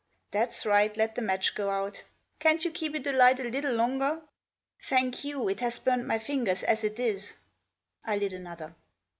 That's right, let the match go out ; can't you keep it alight a little longer? "" Thank you ; it has burned my fingers as it is." I lit another.